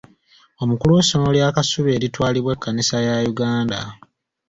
Omukulu w'essomero lya Kasubi eritwalibwa Kannisa ya Uganda.